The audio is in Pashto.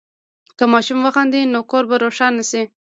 که ماشوم وخاندي، نو کور به روښانه شي.